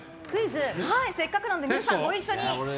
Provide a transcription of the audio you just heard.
せっかくなので皆さん、ご一緒に。